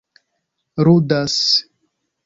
ludas